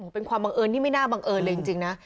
เป็นความบังเอิญที่ไม่น่าบังเอิญเลยจริงนะ